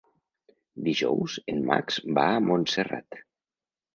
Dijous en Max va a Montserrat.